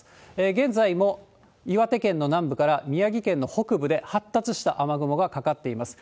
現在も岩手県の南部から宮城県の北部で発達した雨雲がかかっています。